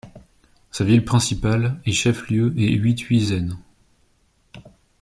Sa ville principale et chef-lieu est Uithuizen.